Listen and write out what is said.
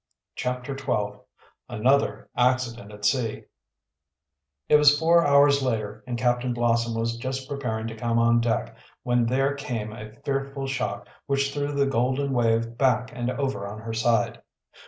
CHAPTER XII ANOTHER ACCIDENT AT SEA It was four hours later, and Captain Blossom was just preparing to come on deck, when there, came a fearful shock which threw the Golden Wave back and over on her side.